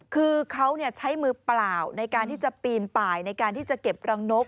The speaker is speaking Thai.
คือเขาใช้มือเปล่าในการที่จะปีนป่ายในการที่จะเก็บรังนก